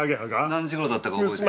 何時頃だったか覚えてる？